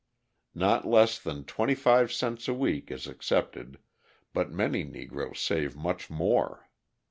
Not less than twenty five cents a week is accepted, but many Negroes save much more.